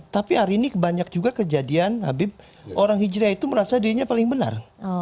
tapi hari ini banyak juga kejadian habib orang hijriah itu merasa dirinya paling benar